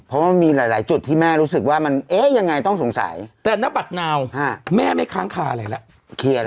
เพราะว่ามันมีหลายจุดที่แม่รู้สึกว่ามันเอ๊ะยังไงต้องสงสัยแต่นบัตรนาวแม่ไม่ค้างคาอะไรแล้ว